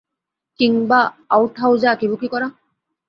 কিংবা আউটহাউজে আঁকিবুঁকি করা?